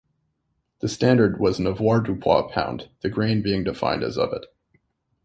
The standard was an avoirdupois pound, the grain being defined as of it.